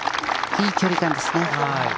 いい距離感ですね。